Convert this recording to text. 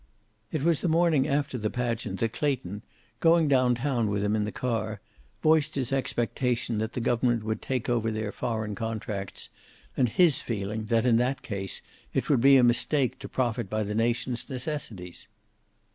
It was the morning after the pageant that Clayton, going down town with him in the car, voiced his expectation that the government would take over their foreign contracts, and his feeling that, in that case, it would be a mistake to profit by the nation's necessities.